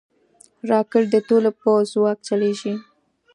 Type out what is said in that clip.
راکټ د تیلو په ځواک چلیږي